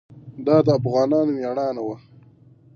دا د افغانانو مېړانه وه.